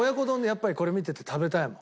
やっぱりこれ見てて食べたいもん。